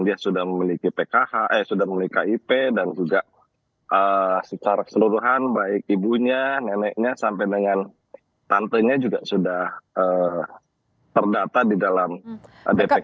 dia sudah memiliki pkh eh sudah memiliki kip dan juga secara keseluruhan baik ibunya neneknya sampai dengan tantenya juga sudah terdata di dalam dpk